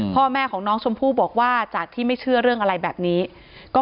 พ่อแม่ของน้องชมพู่บอกว่าจากที่ไม่เชื่อเรื่องอะไรแบบนี้ก็